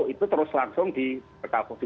itu terus langsung di